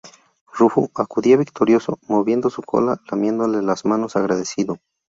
Rufo, acudía victorioso, moviendo su cola, lamiéndome las manos agradecido